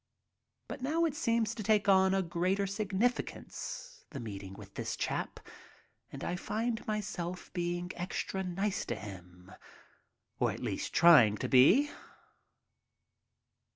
But now it seems to take on a greater significance, the meeting with this chap, and I find myself being extra nice to him, or at least trying to be.